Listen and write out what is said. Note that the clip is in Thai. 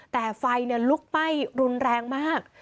แต่ไฟลุกไหม้รุนแรงมาก